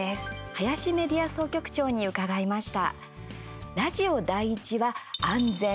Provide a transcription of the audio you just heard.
林メディア総局長に伺いました。